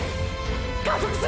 加速する！！